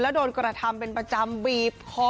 แล้วโดนกระทำเป็นประจำบีบคอ